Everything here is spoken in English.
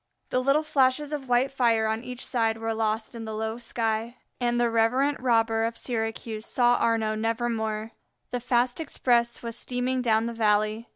The little flashes of white fire on each side were lost in the low sky, and the reverent robber of Syracuse saw Arnaux nevermore. The fast express was steaming down the valley.